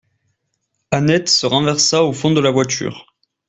Annette se renversa au fond de la voiture.